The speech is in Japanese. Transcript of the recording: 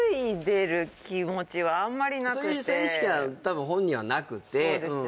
そういう意識は多分本人はなくてそうですね